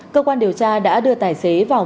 cơ quan điều tra đã đưa tài xế vào